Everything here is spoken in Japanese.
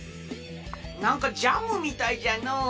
なんかジャムみたいじゃのう！